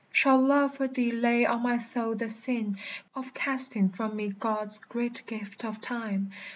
Shall love for thee lay on my soul the sin Of casting from me God's great gift of time?